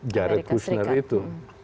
jarek kushner itu